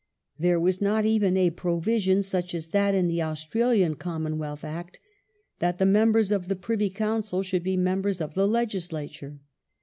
Thei e was not even a provision, such as that in the Australian Commonwealth Act, that the members of the Privy Council should be members of the Legislature.